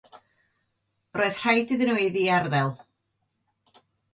Roedd rhaid iddyn nhw ei ddiarddel.